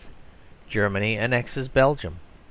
Germany annexes Belgium.